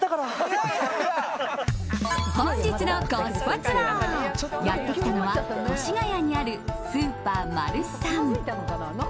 本日のコスパツアーやってきたのは越谷にあるスーパーマルサン。